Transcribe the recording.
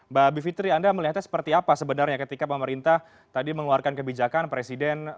mbak bivitri anda melihatnya seperti apa sebenarnya ketika pemerintah tadi mengeluarkan kebijakan presiden